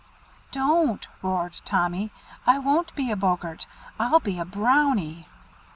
"Don't!" roared Tommy. "I won't be a Boggart. I'll be a Brownie."